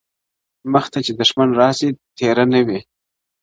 مخته چي دښمن راسي تېره نه وي.